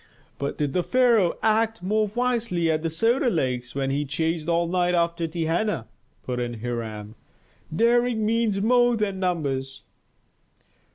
"But did the pharaoh act more wisely at the Soda Lakes when he chased all night after Tehenna?" put in Hiram. "Daring means more than numbers."